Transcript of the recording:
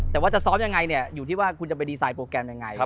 แต่ว่าจะซ้อมอย่างไรอยู่ที่ว่าคุณจะไปดีไซน์โปรแกรมอย่างไร